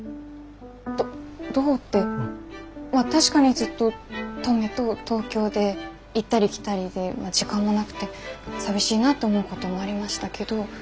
どどうってまあ確かにずっと登米と東京で行ったり来たりでまあ時間もなくて寂しいなと思うこともありましたけど